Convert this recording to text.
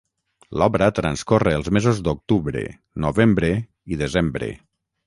L'obra transcorre els mesos d'octubre, novembre i desembre.